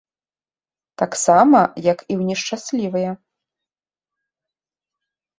Таксама, як і ў нешчаслівыя.